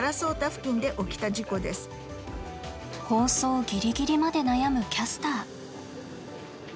放送ギリギリまで悩むキャスター。